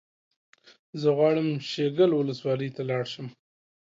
زه غواړم شیګل ولسوالۍ ته لاړ شم